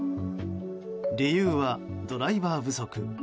理由はドライバー不足。